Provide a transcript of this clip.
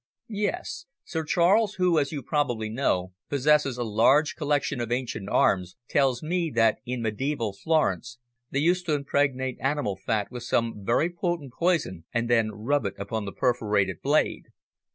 "Yes; Sir Charles, who, as you probably know, possesses a large collection of ancient arms, tells me that in mediaeval Florence they used to impregnate animal fat with some very potent poison and then rub it upon the perforated blade.